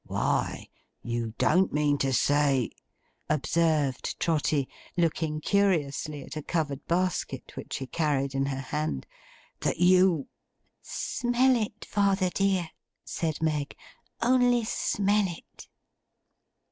'Why you don't mean to say,' observed Trotty, looking curiously at a covered basket which she carried in her hand, 'that you—' 'Smell it, father dear,' said Meg. 'Only smell it!